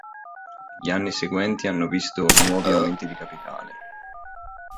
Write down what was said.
Gli anni seguenti hanno visto nuovi aumenti di capitale.